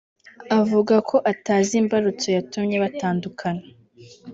Avuga ko atazi imbarutso yatumye batandukana